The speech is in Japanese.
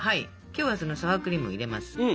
今日はそのサワークリームを入れます。